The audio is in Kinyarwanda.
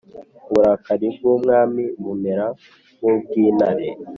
Uburakari bw umwami bumera nk ubw intare